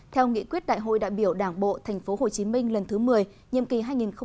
theo nghị quyết đại hội đại biểu đảng bộ tp hcm lần thứ một mươi nhiệm kỳ hai nghìn một mươi sáu hai nghìn hai mươi